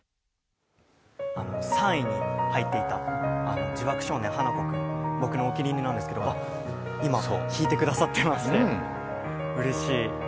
３位に入っていた「地縛少年花子くん」、僕のお気に入りなんですけど、今弾いてくださってまして、うれしい。